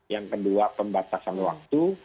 yang kedua pembatasan waktu